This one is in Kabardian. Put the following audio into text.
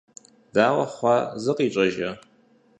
Дауэ хъуа, зыкъищӀэжа?